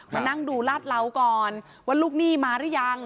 มานั่งดูลาดเหลาก่อนว่าลูกหนี้มาหรือยัง